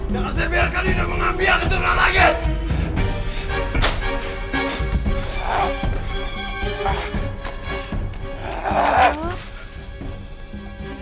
kasi biarkan dia mengambil anjing saya lagi